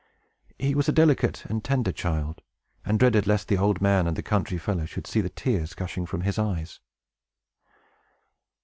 He was a delicate and tender child, and dreaded lest the old man and the country fellow should see the tears gushing from his eyes.